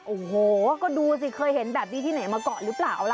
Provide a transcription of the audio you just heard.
โอ้โหก็ดูสิเคยเห็นแบบนี้ที่ไหนมาก่อนหรือเปล่าล่ะ